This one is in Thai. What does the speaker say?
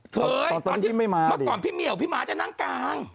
เมื่อก่อนพี่เหมียวพี่มาจะนั่งกลาง